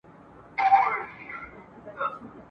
دوو وروڼو جنګ وکړ، کم عقلو باور په وکړ ..